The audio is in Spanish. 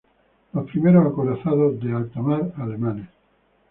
Los primeros acorazados de alta mar alemanes.